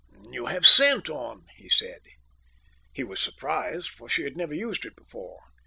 "You have scent on," he said. He was surprised, for she had never used it before.